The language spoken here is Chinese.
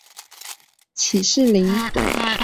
起士林。